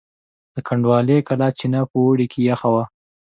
د کنډوالې کلا چینه په اوړي کې یخه وه.